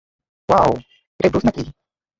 Wow, এটাই Bruce নাকি?